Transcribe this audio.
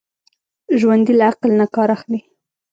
ژوندي له عقل نه کار اخلي